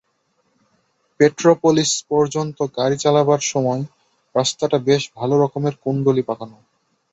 Petropolis পর্যন্ত গাড়ি চালাবার সময়, রাস্তাটা বেশ ভালো রকমের কুণ্ডলী পাকানো।